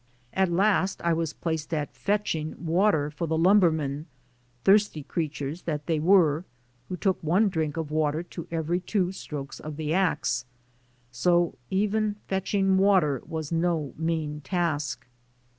At last I was placed at "fetching" water for the lumbermen, thirsty creatures that they were, who took one drink of water to every two strokes of the ax. So even "fetching water" was no mean task.